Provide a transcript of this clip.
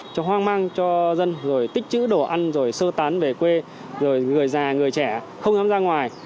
cho hoang mang cho dân rồi tích chữ đồ ăn rồi sơ tán về quê rồi người già người trẻ không dám ra ngoài